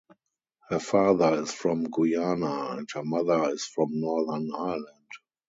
Her father is from Guyana and her mother is from Northern Ireland.